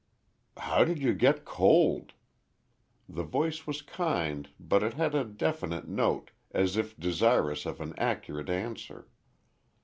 "How did you get cold?" The voice was kind but it had a definite note, as if desirous of an accurate answer.